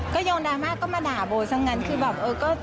ก็โยงดราม่าก็มาด่าโบสถ์ทั้งนั้นคือแบบ